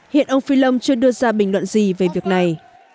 hiện ông phil chưa đưa ra bình luận gì về việc này